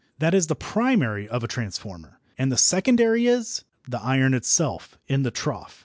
That is the "primary" of a transformer, and the "secondary" is the iron itself, in the trough.